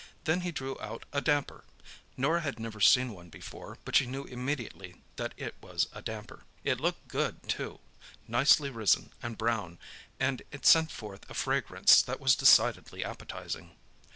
Then he drew out a damper—Norah had never seen one before, but she knew immediately that it was a damper. It looked good, too—nicely risen, and brown, and it sent forth a fragrance that was decidedly appetizing.